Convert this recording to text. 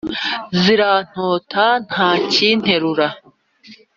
Zirantota ntacyiterura